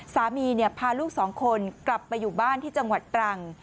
พาลูกสองคนกลับไปอยู่บ้านที่จังหวัดตรัง